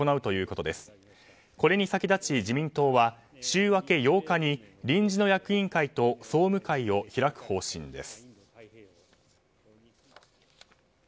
これに先立ち自民党は週明け８日に臨時の役員会と総務会を開く方針です。